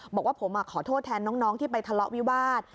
บอกว่าผมขอโทษแทนน้องที่ไปทะเลาะวิวาส